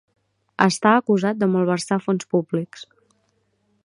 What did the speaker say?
Està acusat de malversar fons públics.